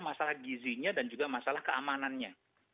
masalah gizinya dan juga masalah keamanannya